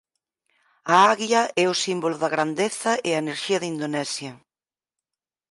A aguia é o símbolo da grandeza e a enerxía de Indonesia.